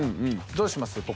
どうします？